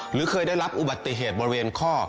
หรือเคยได้รับอุบัติเหตุบริเวณข้อ